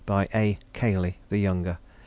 By A. Cayley the Younger, pp.